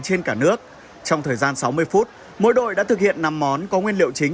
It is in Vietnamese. trên cả nước trong thời gian sáu mươi phút mỗi đội đã thực hiện năm món có nguyên liệu chính